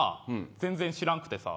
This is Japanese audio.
全然知らんくてさ。